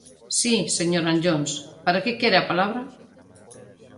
Si, señor Anllóns, ¿para que quere a palabra?